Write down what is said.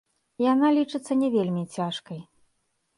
Яна лічыцца не вельмі цяжкай.